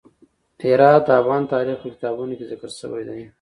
هرات د افغان تاریخ په کتابونو کې ذکر شوی دي.